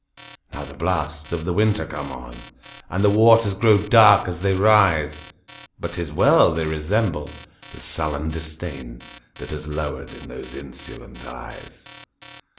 Now the blasts of the winter come on, And the waters grow dark as they rise! But 't is well!—they resemble the sullen disdainThat has lowered in those insolent eyes.